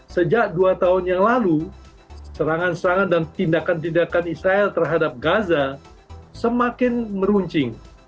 sejak dua tahun yang lalu serangan serangan dan tindakan tindakan israel terhadap gaza semakin meruncing